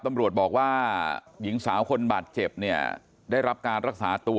ตำรวจบอกว่าหญิงสาวคนบาดเจ็บเนี่ยได้รับการรักษาตัว